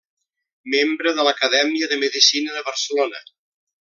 Membre de l'Acadèmia de Medicina de Barcelona.